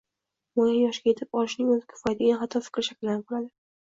muayyan yoshga yetib olishning o‘zi kifoya, degan xato fikr shakllanib qoladi.